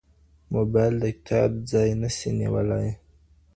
موبايل د کتاب ځای نه سي نيولای.